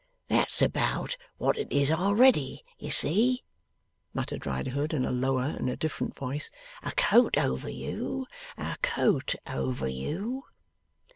'That's about what it is a'ready, you see,' muttered Riderhood in a lower and a different voice; 'a coat over you, a coat over you!